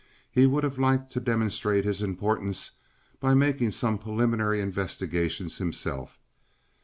He would have liked to demonstrate his importance by making some preliminary investigations himself.